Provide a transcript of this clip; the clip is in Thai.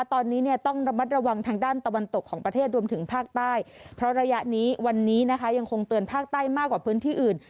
ตอนนี้เนี่ยต้องระมัดระวังทางด้านตะวันตกของประเทศรวมถึงภาคใต้เพราะระยะนี้วันนี้นะคะยังคงเตือนภาคใต้มากกว่าพื้นที่อื่น